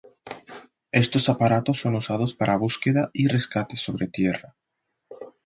Estos aparatos son usados para búsqueda y rescate sobre tierra.